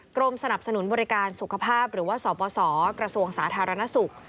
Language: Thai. กรมสนับสนุนบริการสุขภาพหรือว่าสปสกระทรวงสาธารณสุข